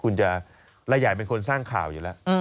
คุณจะรายใหญ่เป็นคนสร้างข่าวอยู่แล้ว